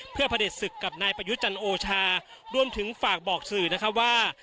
เพื่อพระเด็จศึกกับนายประยุจันทร์โอชารวมถึงฝากบอกสื่อนะครับว่า